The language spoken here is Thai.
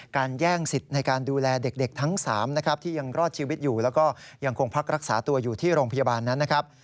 แย่งสิทธิ์ในการดูแลเด็กทั้ง๓นะครับที่ยังรอดชีวิตอยู่แล้วก็ยังคงพักรักษาตัวอยู่ที่โรงพยาบาลนั้นนะครับ